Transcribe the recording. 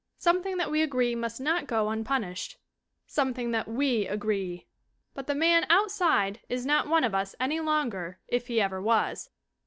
Something that we agree must not go unpunished. Something that "we" agree. But the man "outside" is not one of us any longer if he ever was.